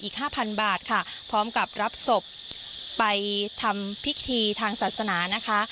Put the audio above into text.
อีก๕๐๐๐บาทค่ะพร้อมกับรับศพไปทำภิกษีทางศาสนานะคะ